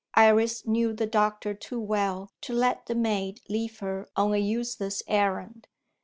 Iris knew the doctor too well to let the maid leave her on a useless errand.